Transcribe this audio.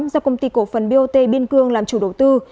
do công ty cổ phần bot biên cương làm chủ đầu tư